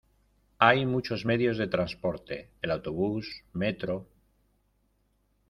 Hay muchos medios de transporte: el autobús, metro...